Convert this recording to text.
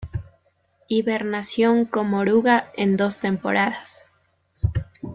Hibernación como oruga en dos temporadas.